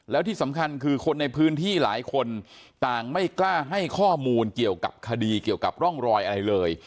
แล้วที่สำคัญคือคนในพื้นที่หลายคนต่างไม่กล้าให้ข้อมูลเกี่ยวกับคดีเกี่ยวกับร่องรอยอะไรเลย